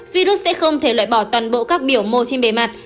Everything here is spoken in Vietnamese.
virus sẽ không thể loại bỏ toàn bộ các biểu mô trên bề mặt